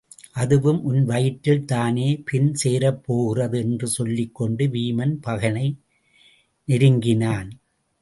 அதுவும் உன் வயிற்றில் தானே பின் சேரப்போகிறது என்று சொல்லிக் கொண்டு வீமன் பகனை நெருங்கினான்.